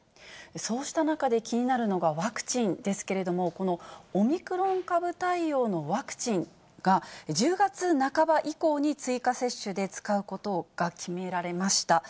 そうした中で気になるのがワクチンですけれども、このオミクロン株対応のワクチンが１０月半ば以降に追加接種で使うことが決められました。